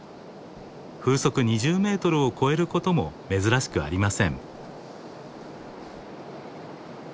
風速２０メートルを超えることも珍しくありません。